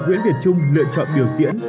nguyễn việt trung lựa chọn biểu diễn